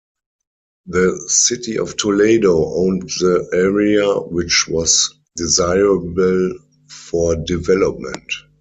The City of Toledo owned the area which was desirable for development.